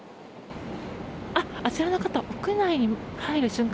あちらの方、屋内に入る瞬間